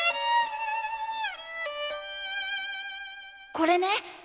これね。